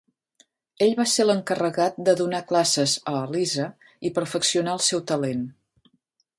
Ell va ser l'encarregat de donar classes a Elisa i perfeccionar el seu talent.